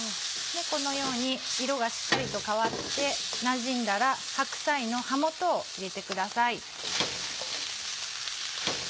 このように色がしっかりと変わってなじんだら白菜の葉元を入れてください。